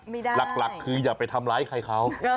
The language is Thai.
หลักคืออย่าไปทำร้ายใครเขา